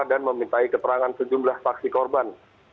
dan memintai keterangan sejumlah saksi korban